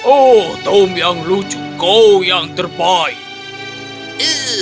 oh tom yang lucu kau yang terbaik